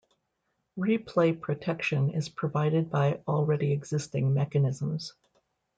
Replay protection is provided by already existing mechanisms.